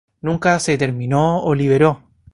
Nunca se terminó o liberó.